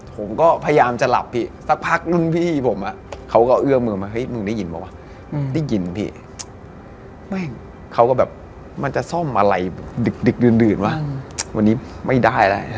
ก็ว่าเขาเรียกว่าอะไรนะ